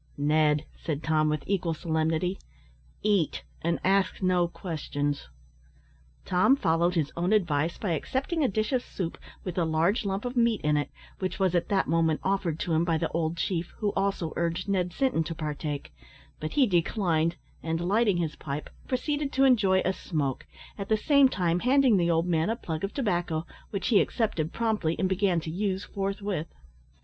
"Ned," said Tom, with equal solemnity, "eat, and ask no questions." Tom followed his own advice by accepting a dish of soup, with a large lump of meat in it, which was at that moment offered to him by the old chief who also urged Ned Sinton to partake; but he declined, and, lighting his pipe, proceeded to enjoy a smoke, at the same time handing the old man a plug of tobacco, which he accepted promptly, and began to use forthwith.